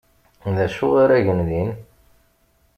D acu ara gen din?